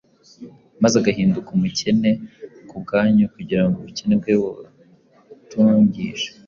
maze agahinduka umukene ku bwanyu kugira ngo ubukene bwe bubatungishe.